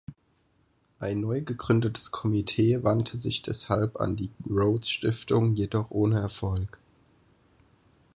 Ein neu gegründetes Komitee wandte sich deshalb an die Rhodes-Stiftung, jedoch ohne Erfolg.